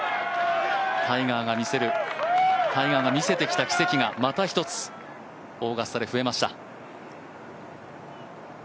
タイガーが見せる、タイガーが見せてきた奇跡がまた一つオーガスタで増えました。